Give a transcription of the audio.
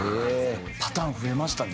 パターン増えましたね。